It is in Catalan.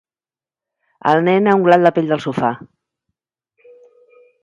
El nen ha unglat la pell del sofà.